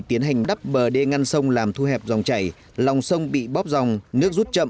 tiến hành đắp bờ đê ngăn sông làm thu hẹp dòng chảy lòng sông bị bóp dòng nước rút chậm